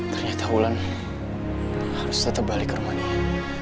ternyata ulan harus datang balik ke rumah dia